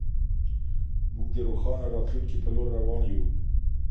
موږ د روښانه راتلونکي په لور روان يو.